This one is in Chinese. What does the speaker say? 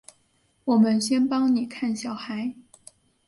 我们先帮妳看小孩